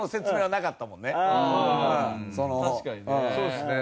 確かにね。